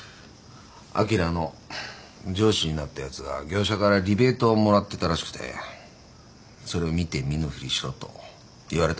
あきらの上司になったやつが業者からリベートをもらってたらしくてそれを見て見ぬふりしろと言われたんだって。